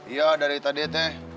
iya dari tadi teh